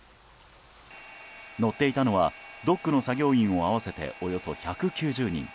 乗っていたのはドックの作業員を合わせておよそ１９０人。